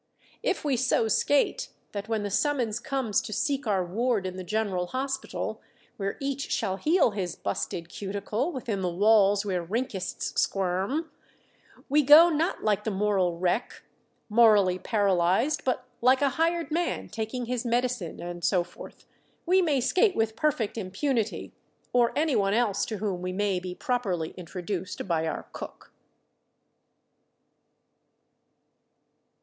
If we so skate that when the summons comes to seek our ward in the general hospital, where each shall heal his busted cuticle within the walls where rinkists squirm, we go not like the moral wreck, morally paralyzed, but like a hired man taking his medicine, and so forth we may skate with perfect impunity, or anyone else to whom we may be properly introduced by our cook.